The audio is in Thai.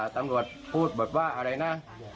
ตำรวจพูดบทว่าอะไรนะ